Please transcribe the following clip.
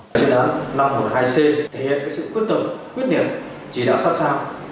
chỉ đoán năm trăm một mươi hai c thể hiện sự quyết tâm